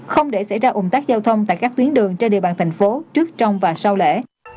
không để xảy ra ủng tắc giao thông tại các tuyến đường trên địa bàn thành phố trước trong và sau lễ